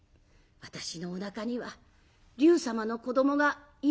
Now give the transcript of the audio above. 私のおなかには龍様の子どもがいるんです」。